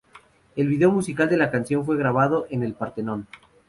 El video musical de la canción fue grabado en el Partenón.